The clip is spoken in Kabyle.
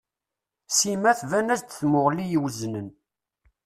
Sima tban-as-d d tamuɣli i weznen.